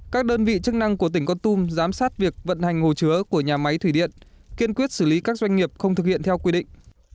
các đơn vị chức năng của tỉnh con tum giám sát việc vận hành hồ chứa của nhà máy thủy điện kiên quyết xử lý các doanh nghiệp không thực hiện theo quy định